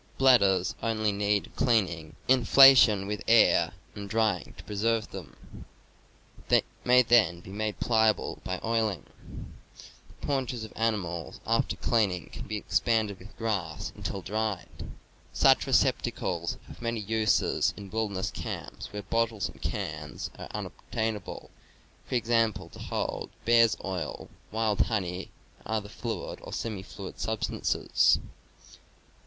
Bladders only need cleaning, inflation with air and drying to preserve them. They may then be made ,, pliable by oiling. The paunches of ani Membranes. ^,^,*.^,,, mals, alter cleanmg, can be expanded with grass until dried. Such receptacles have many uses in wilderness camps, where bottles and cans are unobtainable; for example, to hold bear's oil, wild honey, and other fluid or semi fluid substances.